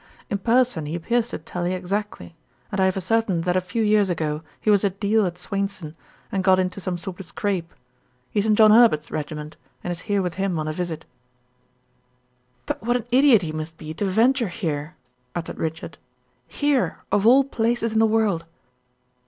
"In person he appears to tally exactly; and I have ascertained that a few years ago he was a deal at Swainson, and got into some sort of scrape. He is in John Herbert's regiment, and is here with him on a visit." "But what an idiot he must be to venture here!" uttered Richard. "Here of all places in the world!"